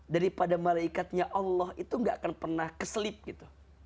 daripada malaikatnya allah itu gak akan pernah keselip gitu